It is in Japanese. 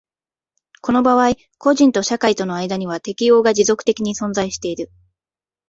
この場合個人と社会との間には適応が持続的に存在している。